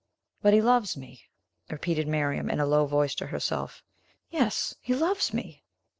"But he loves me," repeated Miriam, in a low voice, to herself. "Yes; he loves me!"